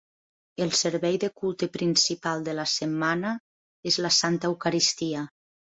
El servei de culte principal de la setmana és la Santa Eucaristia.